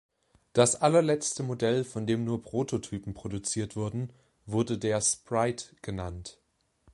Das allerletzte Modell, von dem nur Prototypen produziert wurden, wurde der Sprite genannt.